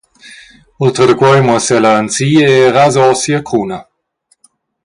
Ultra da quei muossa ella ensi e rasa ora sia cruna.